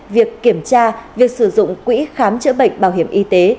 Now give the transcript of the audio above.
việc kiểm tra việc sử dụng quỹ khám chữa bệnh bảo hiểm y tế